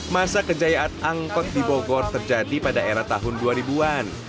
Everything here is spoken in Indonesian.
masa kejayaan angkot di bogor terjadi pada era tahun dua ribu an